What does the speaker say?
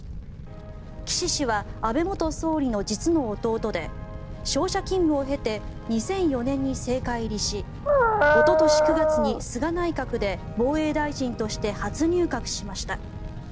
岸氏は安倍元総理の実の弟で商社勤務を経て２００４年に政界入りしおととし９月に菅内閣で防衛大臣として初入閣しました。